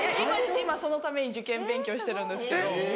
今そのために受験勉強してるんですけど。